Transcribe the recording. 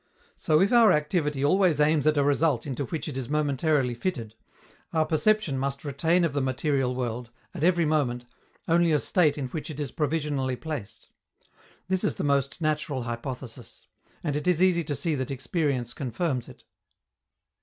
So if our activity always aims at a result into which it is momentarily fitted, our perception must retain of the material world, at every moment, only a state in which it is provisionally placed. This is the most natural hypothesis. And it is easy to see that experience confirms it.